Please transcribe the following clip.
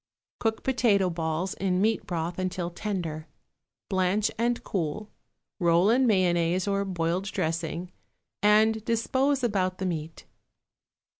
Cook potato balls in meat broth until tender; blanch and cool, roll in mayonnaise or boiled dressing, and dispose about the meat.